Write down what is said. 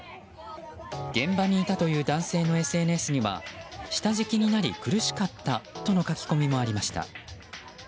現場にいたという男性のＳＮＳには下敷きになり苦しかったとの書き込みもありました。